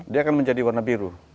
dia akan menjadi warna biru